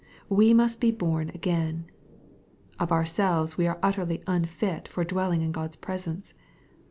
" We must be born again." Of ourselves we are utterly unfit for dwelling in God's presence.